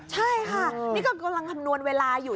ใช่ค่ะนี่ก็กำลังคำนวณเวลาอยู่